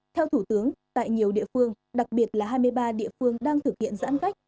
theo thủ tướng tại nhiều địa phương đặc biệt là hai mươi ba địa phương đang thực hiện giãn cách